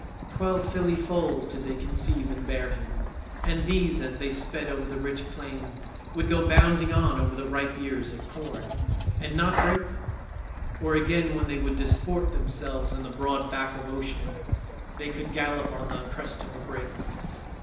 Twelve filly foals did they conceive and bear him, and these, as they sped over the rich plain, would go bounding on over the ripe ears of corn and not break them; or again when they would disport themselves on the broad back of Ocean they could gallop on the crest of a breaker.